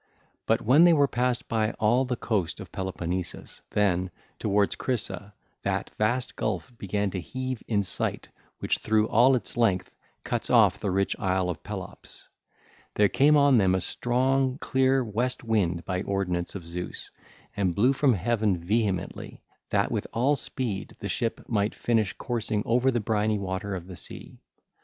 But when they were passed by all the coast of Peloponnesus, then, towards Crisa, that vast gulf began to heave in sight which through all its length cuts off the rich isle of Pelops. There came on them a strong, clear west wind by ordinance of Zeus and blew from heaven vehemently, that with all speed the ship might finish coursing over the briny water of the sea.